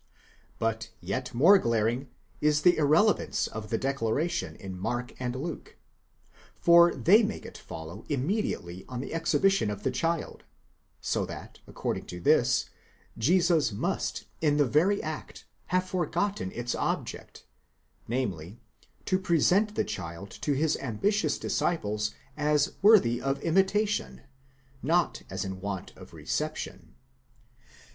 But yet more glaring is the irrelevance of the declaration in Mark and Luke; for they make it follow immediately on the exhibition of the child, so that, according to this, Jesus must, in the very act, have forgotten its object, namely, to pre sent the child to his ambitious disciples as worthy of imitation, not as in want of reception.